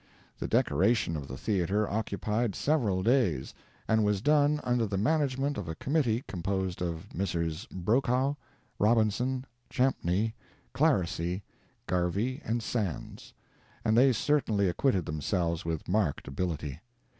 The decoration of the theatre occupied several days, and was done under the management of a committee composed of Messrs. Brokaw, Robinson, Champney, Claresy, Garvey and Sands, and they certainly acquitted themselves with marked ability.